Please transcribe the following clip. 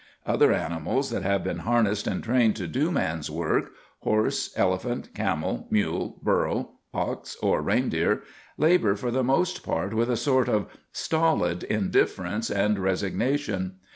Other animals that have been harnessed and trained to do man's work horse, elephant, camel, mule, burro, ox, or reindeer labour for the most part with a sort of stolid indifference and resignation.